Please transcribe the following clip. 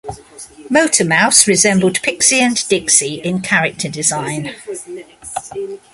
Motormouse resembled Pixie and Dixie in character design.